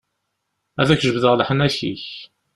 Ad ak-jebdeɣ leḥnak-ik.